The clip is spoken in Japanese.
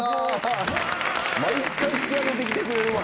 毎回仕上げてきてくれるわ